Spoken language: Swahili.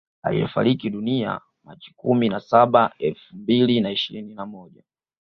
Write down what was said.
Aliyefariki dunia machi kumi na saba elfu mbili na ishirini na moja